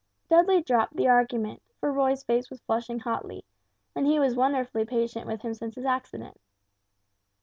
Dudley dropped the argument, for Roy's face was flushing hotly, and he was wonderfully patient with him since his accident.